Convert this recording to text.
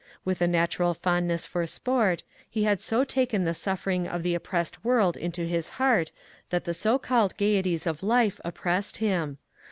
With a natural fondness for sport, he had so taken the suffering of the oppressed world into his heart that the so called gaieties of life oppressed him.